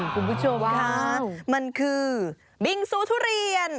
คุณผู้ชมค่ะมันคือบิงซูทุเรียน